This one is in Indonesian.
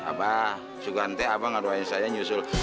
kalau tidak saya akan doain saya menyusul